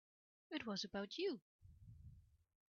It was about you.